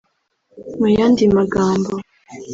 mu yandi magambo